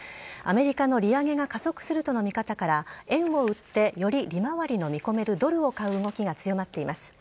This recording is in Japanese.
アメリカの利上げが加速するとの見方から、円を売ってより利回りの見込めるドルを買う動きが強まっています。